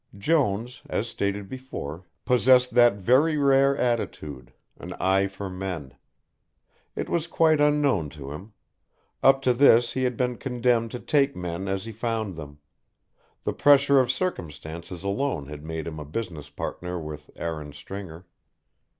Jones, as stated before, possessed that very rare attitude an eye for men. It was quite unknown to him; up to this he had been condemned to take men as he found them; the pressure of circumstances alone had made him a business partner with Aaron Stringer.